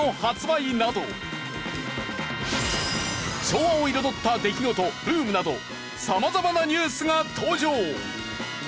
昭和を彩った出来事ブームなど様々なニュースが登場！